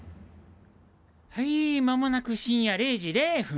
はい間もなく深夜０時０分。